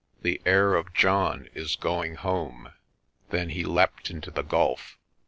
"The Heir of John is going home." Then he leapt into the gulf.